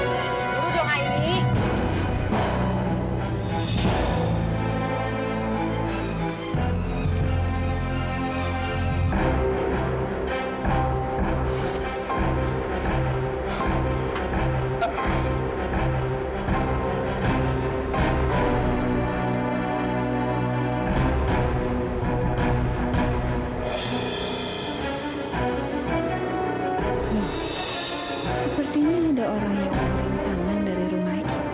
sampai jumpa di video selanjutnya